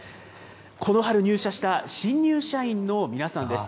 この春、入社した新入社員の皆さんです。